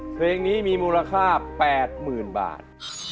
เพลงนี้มีมูลค่า๘๐๐๐บาท